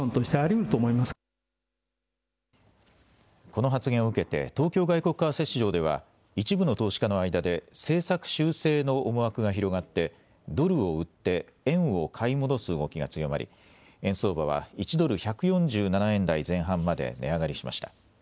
この発言を受けて、東京外国為替市場では、一部の投資家の間で政策修正の思惑が広がって、ドルを売って円を買い戻す動きが強まり、円相場は１ドル１４７円台前半まで値上がりしました。